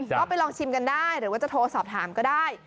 ก็ไปลองชิมกันได้หรือว่าจะโทรสอบถามก็ได้